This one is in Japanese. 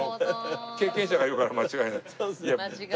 経験者が言うから間違いない。